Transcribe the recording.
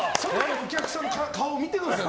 お客さんの顔を見てください。